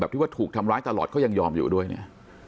ที่ว่าถูกทำร้ายตลอดเขายังยอมอยู่ด้วยเนี่ย